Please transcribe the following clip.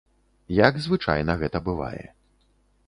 Як звычайна гэта бывае.